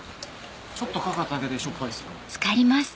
ちょっとかかっただけでしょっぱいですもん。